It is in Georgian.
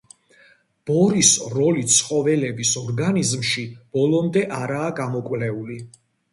ბორის როლი ცხოველების ორგანიზმში ბოლომდე არაა გამოკვლეული.